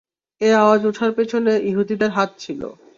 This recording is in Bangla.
এ আওয়াজ উঠার পেছনে ইহুদীদের হাত ছিল।